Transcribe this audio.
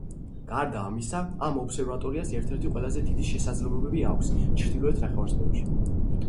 გარდა ამისა, ამ ობსერვატორიას ერთ-ერთი ყველაზე დიდი შესაძლებლობები აქვს ჩრდილოეთ ნახევარსფეროში.